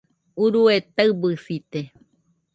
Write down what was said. Urue taɨbɨsite